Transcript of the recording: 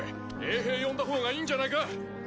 衛兵呼んだほうがいいんじゃないか？